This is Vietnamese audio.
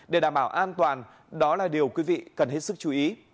để đảm bảo an toàn đó là điều quý vị cần hết sức chú ý